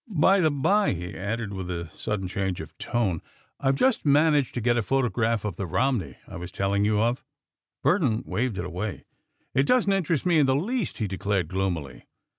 By the bye," he added, with a sudden change of tone, "I've just managed to get a photograph of the Romney I was telling you of." Burton waved it away. "It doesn't interest me in the least," he declared gloomily.